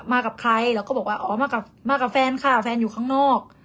กับใครเราก็บอกว่าอ๋อมากับแฟนค่ะแฟนอยู่ข้างนอก